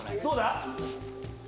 どうだ！？